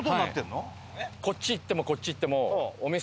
こっち行ってもこっち行っても。